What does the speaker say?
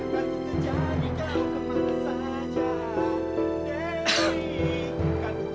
kan ku kejati engkau kemana saja